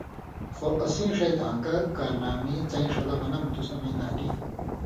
خو اسیں ݜَیں دھان٘کہ کارنامی څَیں ݜلہ بنم تُس امَیں نھالی